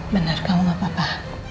benar kamu gak apa apa